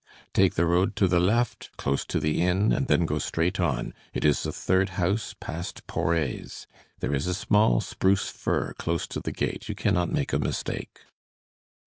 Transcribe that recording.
"Take the road to the left, close to the inn, and then go straight on; it is the third house past Poret's. There is a small spruce fir close to the gate; you cannot make a mistake."